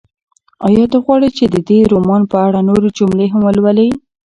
ایا ته غواړې چې د دې رومان په اړه نورې جملې هم ولولې؟